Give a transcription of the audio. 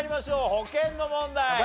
保健の問題。